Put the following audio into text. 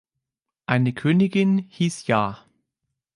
Eine Königin hieß Iah.